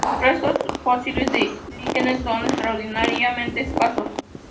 Los restos fósiles de líquenes son extraordinariamente escasos.